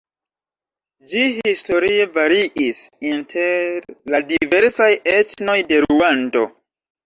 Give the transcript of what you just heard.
Ĝi historie variis inter la diversaj etnoj de Ruando.